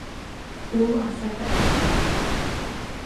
All are separate entities.